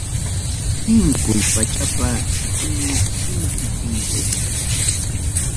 Chisinkuy pachapa sutinmi, inti chinkakuy.